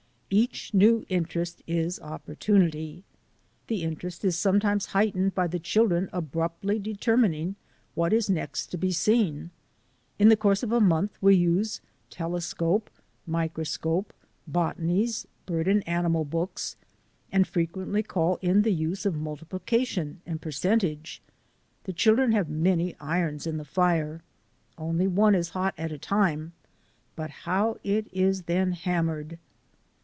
Each new interest is opportunity. The interest is sometimes heightened by the children abruptly CHILDREN OF MY TRAIL SCHOOL 169 determining what is next to be seen. In the course of a month we use telescope, microscope, botanies, bird and animal books, and frequently call in the use of multiplication and percentage. The children have many irons in the fire. Only one is hot at a time; but how it is then hammered!